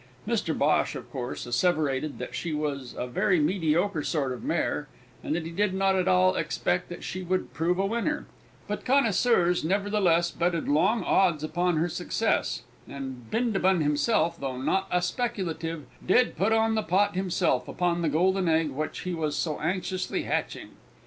Mr Bhosh of course asseverated that she was a very mediocre sort of mare, and that he did not at all expect that she would prove a winner, but connoisseurs nevertheless betted long odds upon her success, and Bindabun himself, though not a speculative, did put on the pot himself upon the golden egg which he was so anxiously hatching.